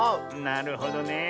なるほどねえ。